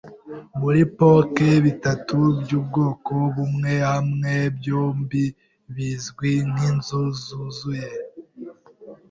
Muri poker, bitatu byubwoko bumwe hamwe byombi bizwi nkinzu yuzuye.